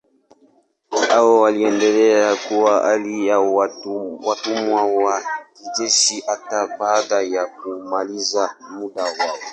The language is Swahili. Hao waliendelea kuwa hali ya watumwa wa kijeshi hata baada ya kumaliza muda wao.